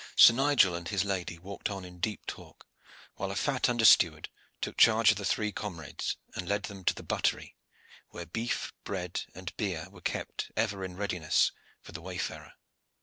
Sir Nigel and his lady walked on in deep talk, while a fat under steward took charge of the three comrades, and led them to the buttery, where beef, bread, and beer were kept ever in readiness for the wayfarer.